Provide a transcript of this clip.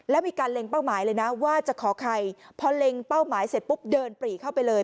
แล้วมีการเล็งเป้าหมายเลยนะว่าจะขอใครพอเล็งเป้าหมายเสร็จปุ๊บเดินปรีเข้าไปเลย